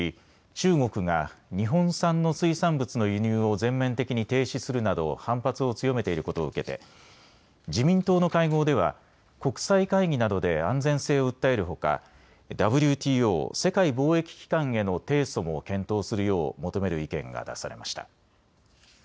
中国が日本産の水産物の輸入を全面的に停止するなど反発を強めていることを受けて自民党の会合では国際会議などで安全性を訴えるほかＷＴＯ・世界貿易機関への提訴も検討するよう求める意見が出されました。